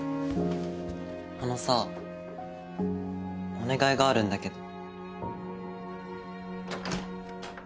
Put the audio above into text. あのさお願いがあるんだけど。